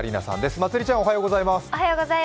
まつりちゃんおはようございます。